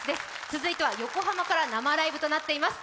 続いては横浜から生ライブとなっています。